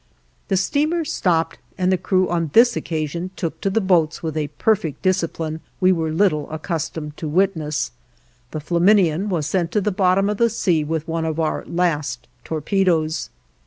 The steamer stopped and the crew on this occasion took to the boats with a perfect discipline we were little accustomed to witness; the "Flaminian" was sent to the bottom of the sea with one of our last torpedoes.